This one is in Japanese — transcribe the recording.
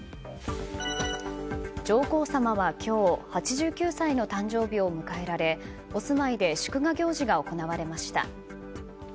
上皇さまは今日８９歳の誕生日を迎えられお住まいで祝賀行事が行われました。